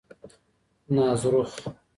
نازرخ